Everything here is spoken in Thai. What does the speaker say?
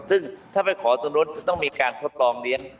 ซึ่งถ้าไปขอถนนจะต้องมีการทดลองเรียน